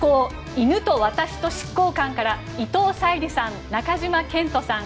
犬と私と執行官」から伊藤沙莉さん、中島健人さん